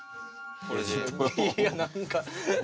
いや何か。